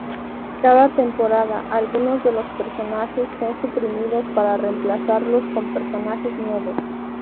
Cada temporada, algunos de los personajes son suprimidos para reemplazarlos con personajes nuevos.